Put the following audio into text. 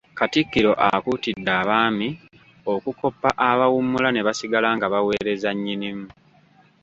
Katikkiro akuutidde abaami okukoppa abawummula ne basigala nga baweereza Nnyinimu.